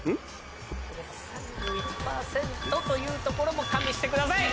３１％というところも加味してください。